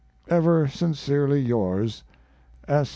Ever sincerely yours, S.